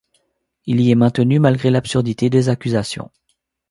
Il y est maintenu malgré l'absurdité des accusations.